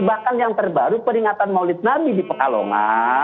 bahkan yang terbaru peringatan maulid nabi di pekalongan